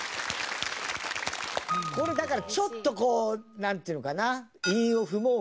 これだからちょっとこうなんていうのかな？